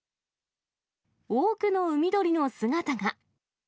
多くの海鳥の姿が。